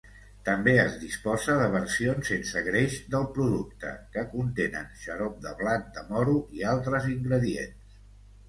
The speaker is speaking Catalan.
També es disposa de versions sense greix del producte, que contenen xarop de blat de moro i altres ingredients.